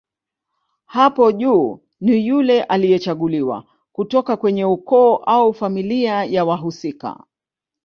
Hapo juu ni yule aliyechaguliwa kutoka kwenye ukoo au familia ya wahusika